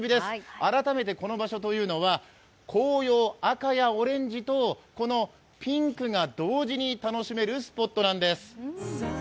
改めてこの場所というのは紅葉、赤やオレンジとこのピンクが同時に楽しめるスポットなんです。